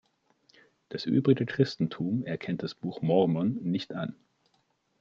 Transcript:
Das übrige Christentum erkennt das Buch Mormon nicht an.